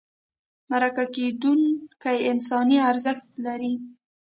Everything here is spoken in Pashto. مرکه کېدونکی انساني ارزښت لري.